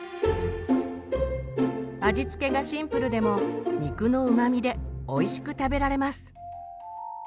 味付けがシンプルでも肉のうまみでおいしく食べられます。